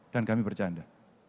dan kami bercanda